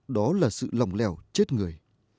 đó là sự lòng lèo chết người